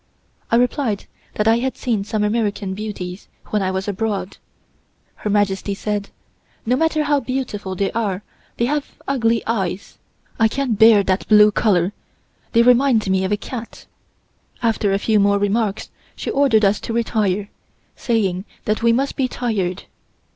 I replied that I had seen some American beauties when I was abroad. Her Majesty said: "No matter how beautiful they are they have ugly eyes. I can't bear that blue color, they remind me of a cat." After a few more remarks, she ordered us to retire, saying that we must be tired.